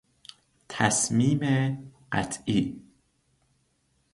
تصمیم قطعی